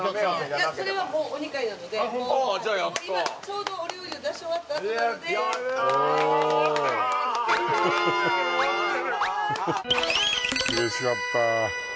うれしかった。